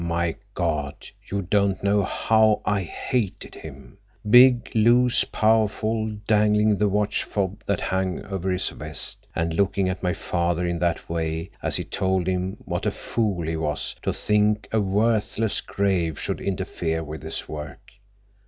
My God, you don't know how I hated him!—Big, loose, powerful, dangling the watch fob that hung over his vest, and looking at my father in that way as he told him what a fool he was to think a worthless grave should interfere with his work.